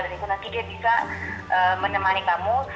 itu nanti dia bisa menemani kamu